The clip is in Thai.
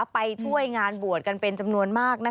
ไปช่วยงานบวชกันเป็นจำนวนมาก